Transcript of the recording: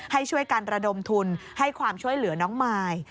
ให้ช่วยกันระดมทุนให้ความช่วยเหลือน้องมาย